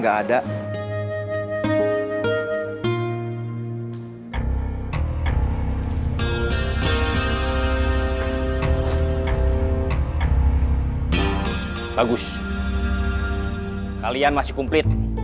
gak ada yang kabur